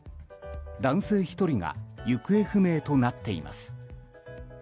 男性１人が行方不明となっています。